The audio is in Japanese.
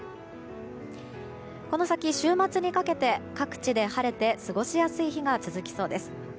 この先、週末にかけて各地で晴れて過ごしやすい日が続きそうです。